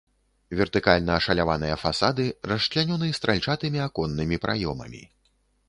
Вертыкальна ашаляваныя фасады расчлянёны стральчатымі аконнымі праёмамі.